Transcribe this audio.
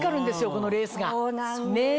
このレースが。